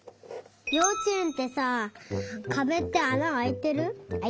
ようちえんってさかべってあなあいてる？